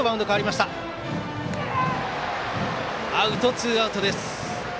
ツーアウトです。